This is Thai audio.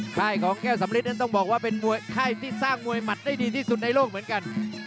ค่ายของแก้วสำริดนั้นต้องบอกว่าเป็นมวยค่ายที่สร้างมวยหมัดได้ดีที่สุดในโลกเหมือนกัน